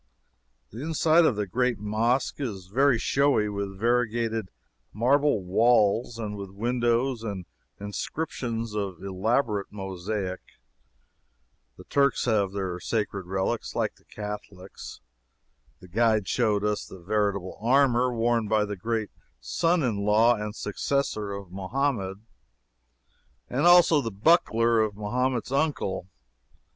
The inside of the great mosque is very showy with variegated marble walls and with windows and inscriptions of elaborate mosaic. The Turks have their sacred relics, like the Catholics. The guide showed us the veritable armor worn by the great son in law and successor of Mahomet, and also the buckler of Mahomet's uncle.